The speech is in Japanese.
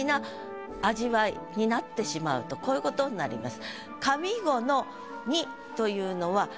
こういうことになります。